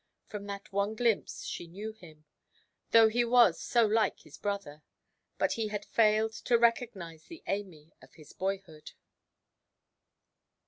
From that one glimpse she knew him, though he was so like his brother; but he had failed to recognise the Amy of his boyhood.